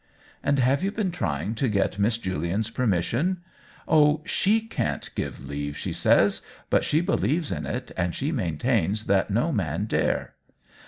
" And have you been trying to get Miss Julian's permission ?"" Oh, she can't give leave, she says. But she believes in it, and she maintains that no man dare."